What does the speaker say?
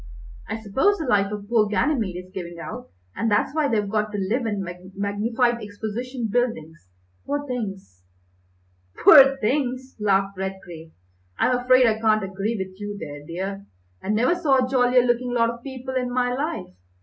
I suppose the life of poor Ganymede is giving out, and that's why they've got to live in magnified exposition buildings, poor things!" "Poor things!" laughed Redgrave. "I'm afraid I can't agree with you there, dear. I never saw a jollier looking lot of people in my life.